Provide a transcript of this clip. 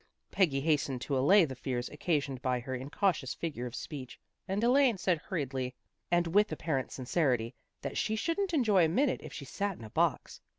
Peggy hastened to allay the fears occasioned A PATHETIC STORY 239 by her incautious figure of speech, and Elaine said hurriedly and with apparent sincerity, that she shouldn't enjoy a minute if she sat in a box.